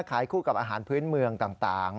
ขายคู่กับอาหารพื้นเมืองต่าง